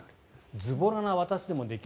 ずぼらな私でもできる。